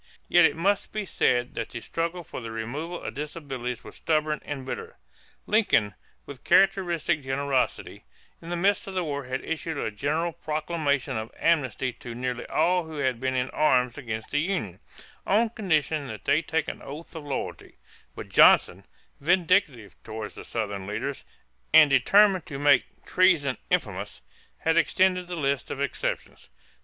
Yet it must be said that the struggle for the removal of disabilities was stubborn and bitter. Lincoln, with characteristic generosity, in the midst of the war had issued a general proclamation of amnesty to nearly all who had been in arms against the Union, on condition that they take an oath of loyalty; but Johnson, vindictive toward Southern leaders and determined to make "treason infamous," had extended the list of exceptions.